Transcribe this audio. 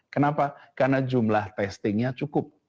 kenapa karena jumlah testingnya cukup